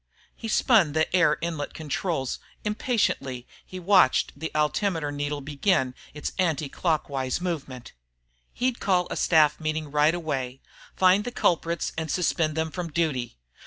He spun the air inlet controls; impatiently, he watched as the altimeter needle began its anti clockwise movement. He'd call a staff meeting right away, find the culprits and suspend them from duty.